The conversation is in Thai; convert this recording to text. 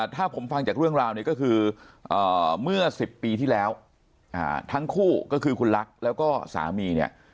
ถ้าผมฟังจากเรื่องราวเนี่ยก็คือเมื่อ๑๐ปีที่แล้วทั้งคู่ก็คือคุณลักษณ์แล้วก็สามีเนี่ย